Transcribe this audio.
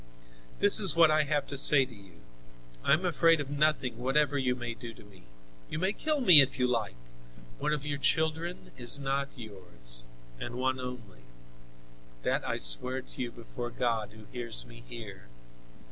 "This is what I have to say to you. I am afraid of nothing, whatever you may do to me. You may kill me if you like. One of your children is not yours, and one only; that I swear to you before God, who hears me here.